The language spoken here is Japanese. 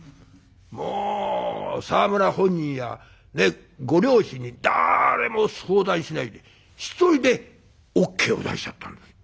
もう沢村本人やご両親にだれも相談しないで一人でＯＫを出しちゃったんです。